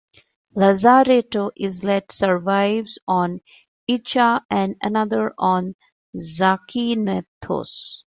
Lazaretto Islet survives on Ithaca and another on Zakynthos.